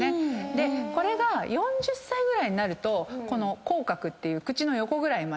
でこれが４０歳ぐらいになると口角っていう口の横ぐらいまできて。